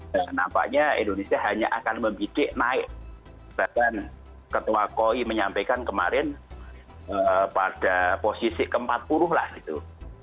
dan nampaknya indonesia hanya akan memidik naik bahkan ketua koi menyampaikan kemarin pada posisi ke empat puluh lah gitu